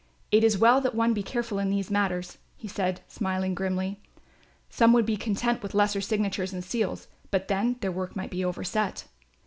It is well that one be careful in these matters," he said smiling grimly. "Some would be content with lesser signatures and seals, but then their work might be overset."